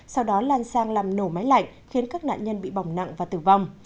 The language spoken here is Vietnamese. sau đó lan sang làm nổ máy lạnh khiến các nạn nhân bị bỏng nặng và tử vong